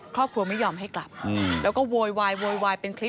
ครอบครัวไม่ยอมให้กลับแล้วก็โวยวายโวยวายเป็นคลิป